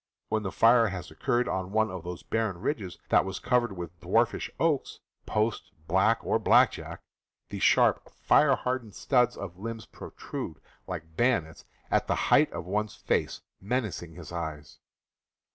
Where the fire has occurred on one of those barren ridges that was covered with dwarfish oaks (post, black, or blackjack), the sharp, fire hardened stubs of limbs protrude, like bayo nets, at the height of one's face, menacing his eyes.